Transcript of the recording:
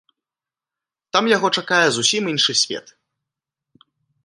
Там яго чакае зусім іншы свет.